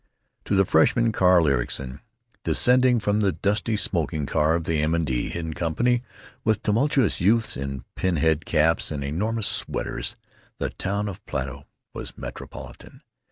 To the freshman, Carl Ericson, descending from the dusty smoking car of the M. & D., in company with tumultuous youths in pin head caps and enormous sweaters, the town of Plato was metropolitan.